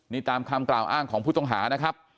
นี่ตามคำกล่าวอ้างของผู้ต้องหานะครับ